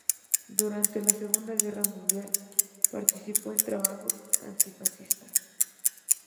Durante la Segunda Guerra Mundial participó en trabajos antifascistas.